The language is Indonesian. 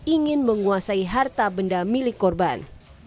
ingin menguasai harta benda milik korban